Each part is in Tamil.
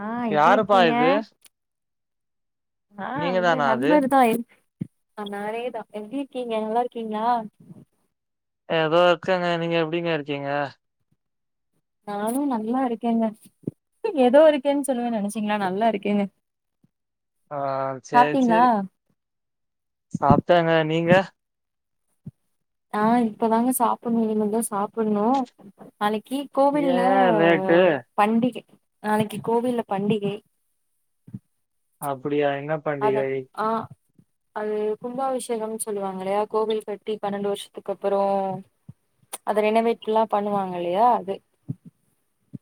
ஆஹ் எப்டி யாருப்பா இருக்கீங்க இது ஆ நீங்க இந்த தானா அது நண்பரு தா எ ஆ நானே தா எப்டி இக்கீங்க நல்லாருக்கீங்ளா ஏதோ இருக்கங்க நீங்க எப்டிங்க இருக்கீங்க நானும் நல்லா இருக்கேங்க ஏதோ இருக்கேன்னு சொல்லுவேனு நெனச்சீங்களா நல்லா இருக்கேங்க ஆ சேர் சாப்ட்டீங்களா செரி சாப்டங்க நீங்க ஆ இப்பதாங்க சாப்ட்டமே இனிமேதா சாப் புட்ணு நாளைக்கி ஏ கோவில்ல லேட்டு பண்டிக நாளைக்கி கோவில்ல பண்டிகை அப்புடியா அத ஆ அது கும்பாபிஷேகம்னு சொல்லுவாங்க இல்லையா கோவில் கட்டி பன்னண்டு வருஷத்துக்கு அப்புறோ அத ரெனவேட்ல்லா பண்ணுவாங்க இல்லையா அது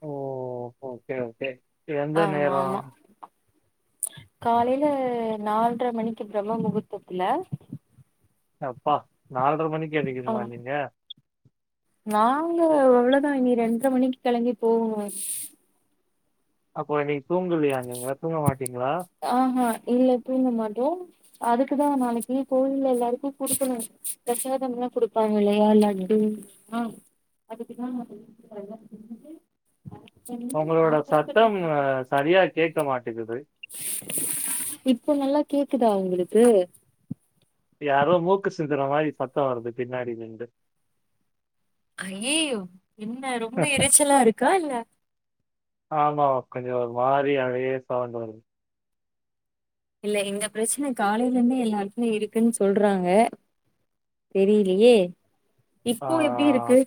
ஓ ஓகே ஓகே எந்த ஆமா நேரோ ஆமா காலையில நால்ர மணிக்கு பிரம்ம முகூர்த்தத்துல அப்பா நால்ர மணிக்கி எந்திக்கணுமா ஆம் நீங்க ங்க அவ்ளோதா இனி ரெண்ட்ர மணிக்கு கெளம்பி போகணு அப்போ நீ தூங்கலயா நீங்க தூங்க மாட்டிங்களா ஆஹ இல்ல தூங்கமாட்ட அதுக்குதா நாளைக்கி கோயில்ல எல்லாருக்கு குடுக்கணு பிரசாதம்லா குடுப்பாங்கில்லையா லட்டு அதுக்குதா [inaudible] நா அவுங்களோட ஃபோன் சத்தம் பண்ணிட்ருந்தே ஆ சரியா கேக்க மாட்டேங்கிது இப்போ நல்லா கேக்குதா உங்களுக்கு யாரோ மூக்கு சிந்துற மாரி சத்த வருது பின்னாடிலேருந்து ஐய்யய்யோ என்ன ரொம்ப எரச்சலா இருக்கா இல்ல கொஞ்ச ஒரு மாரியாவே சவுண்டு வருது இல்ல இந்த பிரச்ன காலையிலேருந்தே எல்லாருக்குமே இருக்குன்னு சொல்றாங்க தெரியிலயே இப்போ எப்டி இருக்கு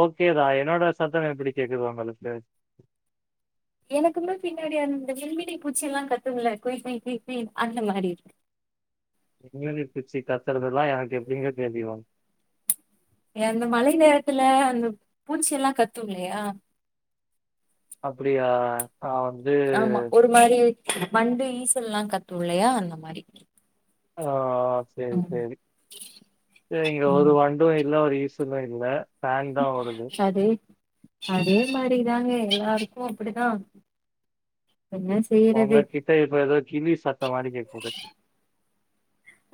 ஓகேதா என்னோட சத்தம் எப்படி கேக்குது ஒங்களுக்கு எனக்குமே பின்னாடி அந்த விண்மினி பூச்சில்லா கத்தும்ல குய் குய் குய் அந்த மாரி இருக்கு எங்கனு எடுத்து வச்சுக்க க்கிறதெல்லா எனக்கு எப்டிங்க தெரியு எ அந்த மழை நேரத்துல அந்த பூச்சி எல்லா கத்து இல்லையா அப்பிடியா ஆமா ஒரு மாரி வண்டு ஈசல்லா கத்து இல்லையா அந்த மாரி ஓஹ் செரி ம் செரி செரிங்க ஒரு ம் வண்டு இல் ல ஒரு ஈசலு இல்ல ஃபான் தா ஓடுது அது அதே மாரிதாங்க எல்லாருக்கு அப்பிடித்தா உங்க கிட்ட இப்ப ஏதோ கிளி சத்தோ மாரி கேக்குது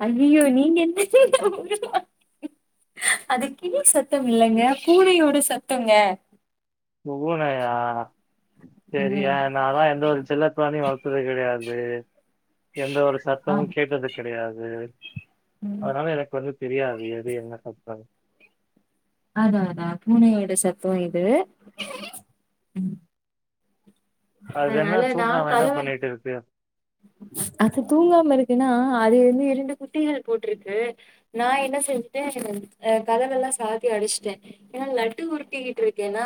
ஐயய்யோ நீங்க என்ன அதுக் கிளி சத்தம் இல்லைங்க பூனையோட சத்தங்க பூனையா சேரியா ம் நாலா எந்த ஒரு செல்லப் பிராணியு வளத்தது கெடையா தூ எந்த ஒரு சத்தமு ஆமா கேட்டது கெடையாது ம் ம் அதனால எனக்கு வந்து தெரியாது எது என்ன [unintelligible] அதா அதா பூனையோட சத்தோ இது ம் அது வேணா அதனால தூங்காம என்ன நா தூங்க வேணா [unintelligible] பண்ணிட்டு இருக்கு? அது தூங்காம இருக்குனா அது வந்து இரண்டு குட்டிகள் போட்ருக்கு நா என்ன செஞ்சுட்டே ஆ கதவெல்லா சாத்தி அடச்சிட்டே ஏனா லட்டு உருட்டிக்கிட்டு இருக்கேனா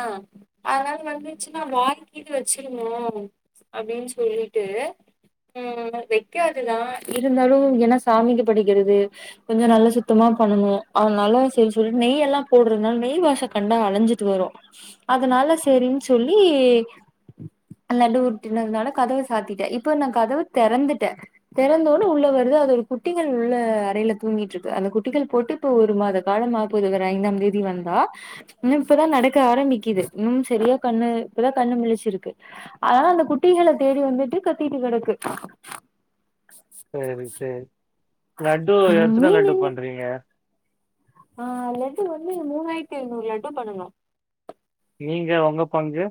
அதனால வந்துச்சுன்னா வாய கீய வச் ச்சிருமோ அப்டின் சொல்லிட்டு ம் வைக்காதுதா இருந்தாலு ஏனா சாமிக்கு படைக்கறது கொஞ்சோ நல்லா சுத்தமா பண்ணணு அதனால சரி சொல்லிட்டு நெய் எல்லா போட்றனால நெய் வாசக் கண்டா அலைஞ்சிட்டு வரு அதனால சேரின் சொல்லி லட்டு உருட்டினதுனால கதவ சாத்திட்டே இப்ப நா கதவ தெறந்துட்டே தெறந்தோட்ன உள்ள வருது அதோட குட்டிகள் உள்ள அறைல தூங்கிட்ருக்கு அந்த குட்டிகள் போட்டு இப்ப ஒரு மாத காலம் ஆப்போது வர்ற ஐந்தாம் தேதி வந்தா இன்னு இப்பதா நடக்க ஆரம்பிக்குது இன்னும் செரியா கண்ணு இப்பதா கண்ணு முழிச் சு இருக்கு அதால அந்த குட்டிகள தேடி வந்துட்டு கத்திட்டு கெடக்கு சரி, சரி. லட்டு ம் எத்தன நீங்க லட்டு என்ன பண்றீங்க ஆ லட்டு வந்து மூணாயரத்து ஐநூறு லட்டு பண்ணணு நீங்க உங்க பங்கு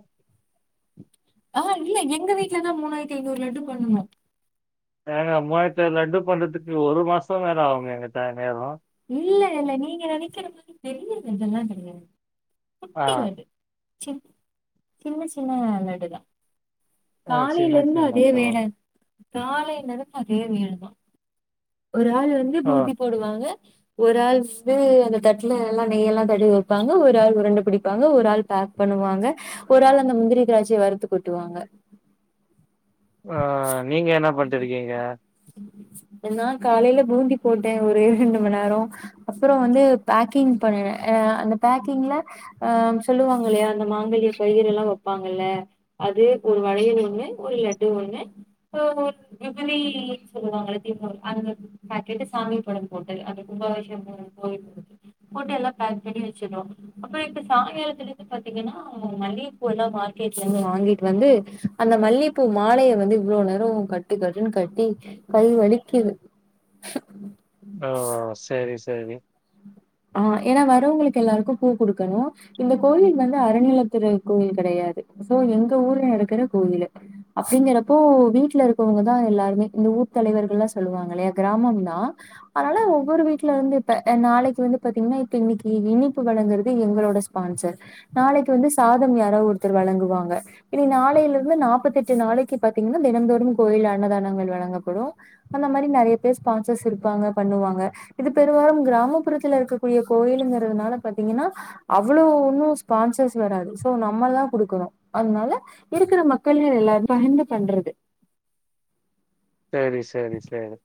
ஆ இல்ல எங்க வீ்ட்ல தா மூணாயிரத்தி ஐநூறு லட்டு பண்ணணு ஏங்க மூவாயிரத்து ஐநூறு லட்டு பண்றதுக்கு ஒரு மாசம் மேல ஆவுங்க எங்க டைம் நேரோ இல்ல இல்ல நீங்க நெனைக்கிற மாதிரி பெரிய லட்டெல்லா கெடையாது ஆ குட்டி லட்டு சின் சின்ன சின்ன லட்டுதா ஆ சின்ன காலைலேர்ந்து சின்ன அதே லட்டுவா? வேல காலைலேருந்து அதே வேல தா ஒரு ஆள் வந்து ஓ! பூந்தி போடுவாங்க ஒரு ஆள் இது அந்த தட்ல எல்லா நெய்யெல்லா தடவி வைப்பாங்க ஒரு ஆள் உருண்ட பிடிப்பாங்க ஒரு ஆள் பேக் பண்ணுவாங்க ஒரு ஆள் அந்த முந்திரி திராட்சய வறுத்து கொட்டுவாங்க ஆ நீங்க என்ன பண்ட்டுருக்கீங்க நா காலைல பூந்தி போட்டே ஒரு ரெண்டு மண்ணேரோ அப்ற வந்து பேக்கிங் பண்ணுனே ஆ அந்த பேக்கிங்ல ஆ சொல்லுவாங்க இல்லயா அந்த மாங்கல்ய கயிறு எல்லா வைப்பாங்கல்ல அது ஒரு வளையல் ஒண்ணு ஒரு லட்டு ஒண்ணு ஆ [unintelligible] சொல்வாங்க இல்ல [unintelligible] பாக்கெட்டு சாமி படம் போட்டுது அந்த கும்பாபிஷேகம் [unintelligible] போட்டு எல்லா பாக் பண்ணி வச்சிருவோ அப்ற இப்ப சாய்ங்காலத்துல பாத்தீங்கனா மல்லிகப்பூ எல்லா மார்க்கெட்லருந்து வாங்கிட்டு வந்து அந்த மல்லி பூ மாலைய வந்து இவ்ளோ நேரொ கட்டு கட்டுன்னு கட்டி கை வலிக்குது ஓ சரி ச சரி ஆ ஏனா வரவங்களுக்கு எல்லாருக்கு பூ குடுக்கணு இந்த கோயில் வந்து அறநிலத்துற கோயில் கெடையாது சோ எங்க ஊர்ல இருக்குற கோயிலு அப்டிங்கறப்போ வீட்ல இருக்கவங்கதா எல்லாருமே இந்த ஊர் தலைவர்கள்லா சொல்லுவாங்க இல்லயா கிராமம் தா அனால ஒவ்வொரு வீட்லருந்து இப்ப ஆ நாளைக்கு வந்து பாத்திங்னா இப்ப இன்னைக்கு இனிப்பு வழங்குறது எங்களோட ஸ்பான்சர் நாளைக்கு வந்து சாதம் யாரோ ஒருத்தர் வழங்குவாங்க இனி நாளைலந்து நாப்பத்தெட்டு நாளைக்கு பாத்தீங்கன்னா தினமந்தோறும் கோயில் அன்னதானங்கள் வழங்கப்படும் அந்த மரி நறய பேர் ஸ்பான்சர்ஸ் இருப்பாங்க பண்ணுவாங்க இது பெரு வாரம் கிராமப்புறத்து ல இருக்க கூடிய கோயிலுங்கிறதுனால பாத்தீங்கன்னா அவ்ளோ ஒன்னு ஸ்பான்சஸ் வராது சோ நம்ம தா குடுக்கணு அதனால இருக்கற மக்கள்கள் எல்லாரு பகிர்ந்து பண்றது சேரி சேரி சேரி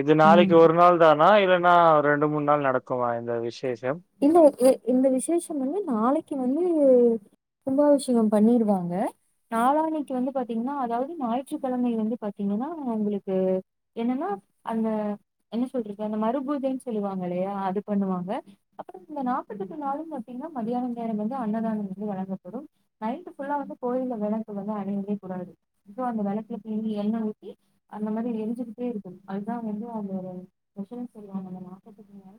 இது நாளைக்கு ம் ஒரு நாள் தானா இல்ல னா ரெண்டு மூணு நாள் நடக்குமா இந்த விஷேஷ இல்ல இ இந்த விசேஷம் வந்து நாளைக்கு வந் து கும்பாபிஷேகம் பண்ணிருவாங்க நாளானைக்கு வந்து பாத்தீங்னா அதாவது ஞாயிற்றுக்கெழமை வந்து பாத்தீங்கன்னா உங்களுக்கு என்னனா அந்த என்ன சொல்றது அந்த மறு பூஜைன்னு சொல்லுவாங்க இல்லையா அது பண்ணுவாங்க அப்ற இந்த நாற்பத்தெட்டு நாளும் பாத்தீங்னா மதியான நேரம் வந்து அன்னதானம் வந்து வழங்கப்படும் நைட்டு ஃபுல்லா வந்து கோயில்ல விளக்கு வந்து அணையவே கூடாது இப்போ அந்த விளக்குல டெய்லி எண்ணெ ஊத்தி அந்த மரி எரிஞ்சுக்கிட்டேருக்கணு அதுதா வந்து அந்த [unintelligible] சொல்லுவங்க அந்த நாற்பத்தெட்டு நாள்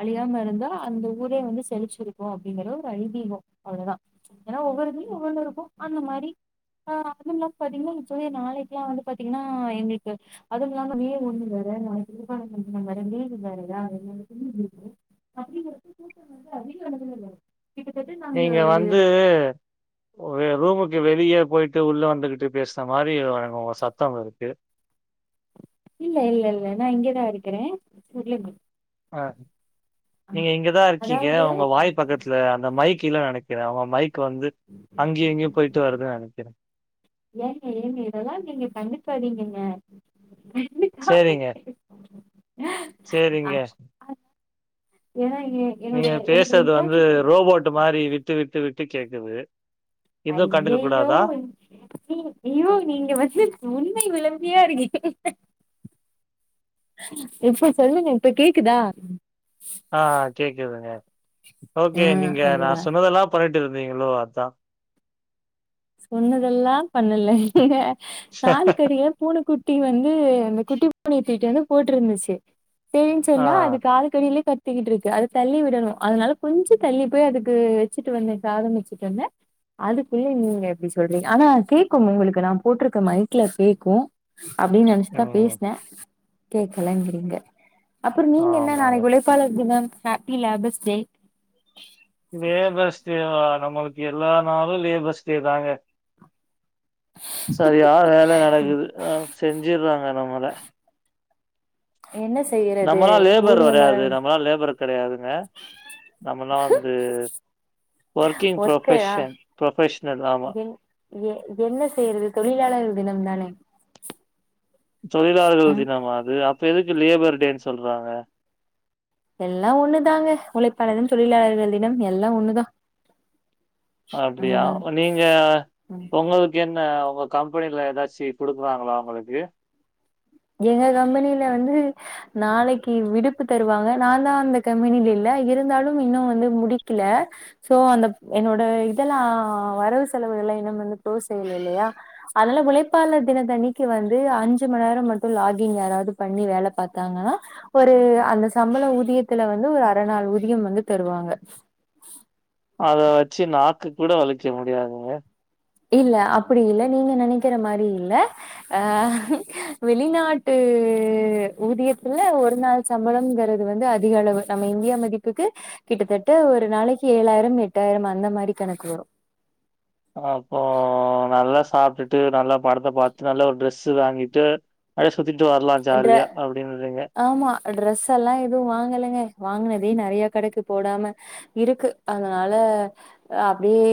அணையாம இருந்தா அந்த ஊரே வந்து செலிச்சுருக்கு அப்டிங்கற ஒரு ஐதீகம் அவ்ளோ தா ஏனா ஒவ்வொருயு ஒவ்வொருக்கு அந்த மாரி ஆ அது இல்லாம பாத்தீங்னா இதுவே நாளைக்குலா வந்து பாத்தீங்னா எங்களுக்கு அது இல்லாம மே ஒண்ணு வேற நாளைக்கும் [unintelligible] வேற லீவு வேறயா அப்டின்கரப்போ கூட்டம் வந்து அதிக அது நீங்க வந்து ஒரு ரூமுக் கு வெளியே போயிட்டு உள்ள வந்துகிட்டு பேசின மாதிரி உங்க சத்தம் இருக்கு இல்ல இல்ல இல்ல நான் இங்கேதான் இருக்கிறேன் தெரியல அஹ் நீங்க இங்கதான் இருக்கீங்க அதாவது உங்க வாய் பக்கத்துல அந்த மைக் இல்ல நனெக்கிறேன் உங்க மைக் வந்து அங்கேயும் எங்கயும் போயிட்டு வருது நினைக்கிறேன் ம் செரிங்க செரிங்க ஆ ஏன்னா எ என்னோட நீங்க என்னோட பேசறது எங்கயா வந்து குட்டி ரோபோட் மாதிரி விட்டு விட்டு விட்டு விட்டு கேக்குது இது கண்டுக்க ஐய்யயோ கூடாதா நீ ஐயோ நீங்க வந்து உண்மை விளம் பியா இருக்கீங்க இப்ப சொல்லுங்க இப்ப கேக்குதா ஆ கேக்குதுங்க ஆ ஓகே நீங்க அதுதா நான் சொன்னதெல்லாம் பண்ணிட்டு இருந்தீங்களோ அதான் சொன்னதெல்லாம் பண்ணலங்க காலு கடிய பூனைக்குட்டி வந் து அந்த குட்டி பூனைய தூக்கிட்டு வந்து போட்டு இருந்துச்சு செரின்னு ஆ சொன்னா அது காலுக்கு கடியையிலயே க சுத்திக்கிட்டு இருக்கு அதை தள்ளி விடணும் அதனால கொஞ்சம் தள்ளி போய் அதுக்கு வச்சுட்டு வந்தேன் சாதம் வச்சுட்டு வந்தேன் அதுக்குள்ள நீங்க இப்டி சொல்றீங்க ஆனா கேக்கும் உங்களுக்கு நான் போட்டிருக்க மைக்ல கேட்கும் அப்படின்னு நினைச்சிதான் ம் பேசினேன் கேக்கலங்கிறீங்க அப்புறம் நீங்க என்ன ஆமாங்க நாளைக்கு உழைப்பாளர் தினம் ஹாப்பி லேபர்ஸ் டே அ நம்மளுக்கு எல்லா நாளும் லேபர்ஸ் டே தாங்க சரியா வேலை நடக்குது அஹ் செஞ்சடுறாங்க நம்மால என்ன செய்யறது நம்மலாம் லேபர் ஊதிய வராது மரணம் நம்மளாம் லேபர் கிடையாதுங்க நம்மலாம் வந்து ஒர்க்கிங் ஒர்க்கரா ப்ரொபஷன் ப்ரொபஷனல் ஆமா என் எ என்ன செய்யறது தொழிலாளர்கள் [inaudible] ஆ தொழிலார்கள் தினமா அது அப்ப எதுக்கு லேபர் டேன்னு சொல்றாங்க எல்லாம் ஒண்ணுதாங்க உழைப்பாளர்தினம் தொழிலாளர்தினம் எல்லாம் ஒண்ணுதான் அப்படியா நீங்க உங்களுக்கு என்ன உங்க கம்பெனில ஏதாச்சும் கொடுக்குறாங்களா உங்களுக்கு எங்க கம்பெனில வந்து நாளைக்கு விடுப்பு தருவாங்க நான் தான் அந்த கம்பெனில இல்ல இருந்தாலும் இன்னும் வந்து முடிக்கல சோ அந்த என்னோட இதெல்லாம் வரவு செலவுகள் எல்லாம் இன்னும் வந்து க்ளோஸ் செய்யல இல்லையா அதெல்ல உழைப்பாளர் தினத்தணிக்கு வந்து அஞ்சு மணி நேரம் மட் டு லாகிங் யாராவது பண்ணி வேலை பாத்தாங்கன்னா ஒரு அந்த சம்பள ஊதியத்துல வந்து ஒரு அரநாள் ஊதியம் வந்து தருவாங்க அத வச்சு நாக்கு கூட வழிக்க முடியாதுங்க இல்ல அப்படி இல்ல நீங்க நினைக்கிற மாரி இல்ல அ வெளிநாட்டு ஊதியத்துல ஒரு நாள் சம்பளம்ங்கிறது வந்து அதிக அளவு நம்ம இந்தியா மதிப்புக்கு கிட்டத்தட்ட ஒரு நாளைக்கு ஏழாயிரம் எட்டாயிரம் அந்த மாரி கணக்கு வரும் அப்போ நல்ல சாப்பிட்டுட்டு நல்லா படத்தை பாத்து நல்ல ஒருடிரெஸ் வாங்கிட்டு சுத்திட்டு வரலா ட்ரெ ஜாலியா அப்டின்றீங்க. ஆமா ட்ரெஸ் எல்லாம் எ எதுவும் வாங்கலைங்க வாங்கினதே நிறைய கடக்கு போடாம இருக்கு அதனால அப்டியே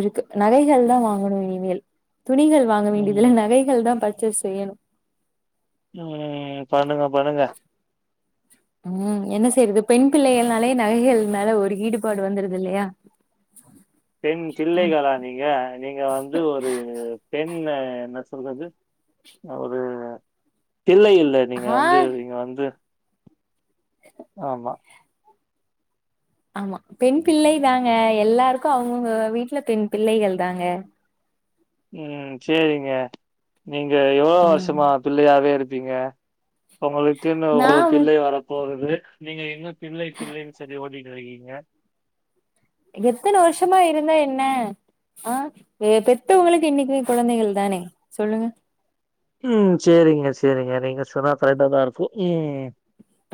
இருக்கு நகைகள் தான் வாங்கணும் இனிமேல் துணிகள் வாங்க வேண்டியதுல்ல ம் நகைகள் தான் பர்ச்சேஸ் செய்யணும் ம்ம்ம் பண்ணுங்க பண்ணுங்க ம் என்ன செய்றது பெண் பிள்ளைகள் நாளைய நகைகள்னால ஒரு ஈடுபாடு வந்துடுது இல்லையா பெண் பிள்ளைகளா நீங்க நீங்க வந்து ஒரு பெண்ண என்ன சொல்றது ஒரு இல்லை இல்லை நீங்க ஆ வந்து நீங்க வந்து ஆமா ஆமா பெண் பிள்ளை தாங்க எல்லாருக்கும் அவங்கவுங்க வீட்டுல பெண் பிள்ளைகள் தாங்க ம் சைரிங்க நீங்க எவ்வளோ ம் வருஷமா பிள்ளையாவே இருக்கு இருப்பீங்க உங்களுக்குன்னு நா ஒரு பிள்ளை வரப்போது மிஸ் நீங்க என்ன பிள்ளை பிள்ளைன்னு சரி ஓடி [unintelligible] எத்தன வருஷமா இருந்தா என்ன ஆ பெத்தவங்களுக்கு என்னைக்குமே கொழந்தைக தானே சொல்லுங்க ம் சேரிங்க சேரிங்க நீங்க சொன்னா கரைட்டாதாருக்கு ம்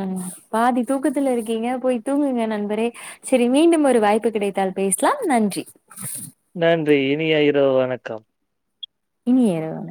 ம் பாதி தூக்கத்துல இருக்கீங்க போய் தூங்குங்க நண்பரே செரி மீண்டும் ஒரு வாய்ப்பு கிடைத்தால் பேஸ்லாம் நன்றி நன்றி இனிய இரவு வணக்கம் இனி ஏற வேண